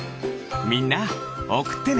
みんなおくってね！